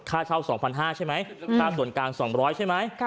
ค่าเช่า๒๕๐๐ใช่ไหมค่าส่วนกลาง๒๐๐ใช่ไหม